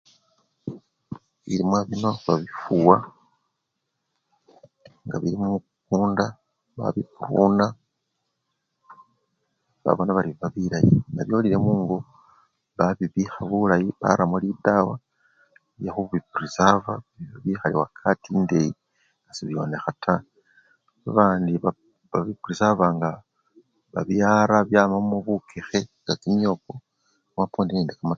bilimwa bino babifuwa nga bili mukunda babipruna, babona bari biba bilayi, nga byolile mungo, babibikha bulayi baramo lidawa lyekhubiprisava indi bikhale wakati endeyi bikhonekha taa, babandi babiprisavanga babiwara byamamo bukekhe nga kimyoko, kamapwondi nende kama!